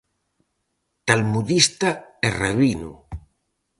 Talmudista e rabino.